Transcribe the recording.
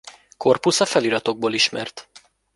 Korpusza feliratokból ismert.